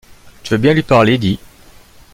Tu veux bien lui parler, dis?